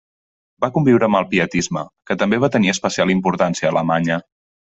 Va conviure amb el pietisme, que també va tenir especial importància a Alemanya.